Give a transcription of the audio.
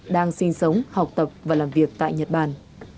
đang sinh sống học tập và làm việc tại nhật bản